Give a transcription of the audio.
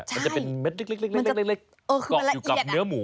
มันจะเป็นเม็ดเล็กเกาะอยู่กับเนื้อหมู